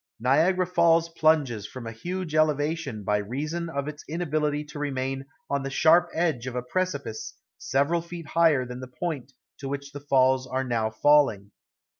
Niagara Falls plunges from a huge elevation by reason of its inability to remain on the sharp edge of a precipice several feet higher than the point to which the falls are now falling.